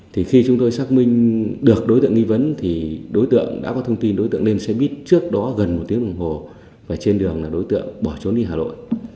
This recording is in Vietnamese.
thì khi chúng tôi xác minh được đối tượng nghi vấn thì đối tượng đã có thông tin đối tượng nên sẽ biết trước đó gần một tiếng đồng hồ và trên đường là đối tượng bỏ trốn đi hà nội